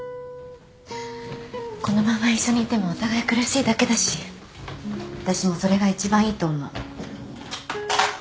このまま一緒にいてもお互い苦しいだけだし私もそれが一番いいと思う